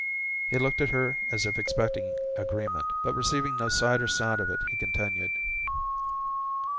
He looked at her as if expecting agreement, but receiving no sight or sound of it he continued.